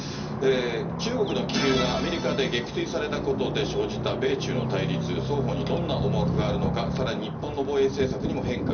中国の気球がアメリカで撃墜されたことで生じた米中の対立、双方にどんな思惑があるのか、さらに日本の防衛政策にも変化が。